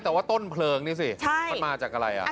แต่ว่าต้นเผลองดิสิมาจากไหน